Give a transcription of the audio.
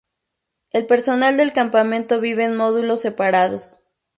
El personal del campamento vive en módulos separados.